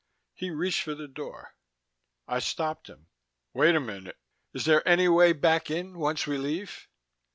He reached for the door. I stopped him. "Wait a minute. Is there any way back in, once we leave?"